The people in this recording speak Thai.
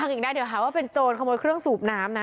อีกได้เดี๋ยวหาว่าเป็นโจรขโมยเครื่องสูบน้ำนะ